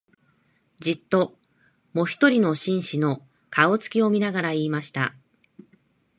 じっと、もひとりの紳士の、顔つきを見ながら言いました